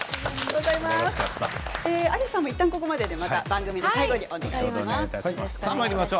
アリスさんもいったんここまでで番組の最後にまたお願いします。